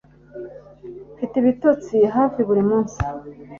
Mfite ibitotsi hafi buri munsi